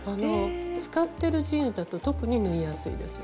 使ってるジーンズだと特に縫いやすいです。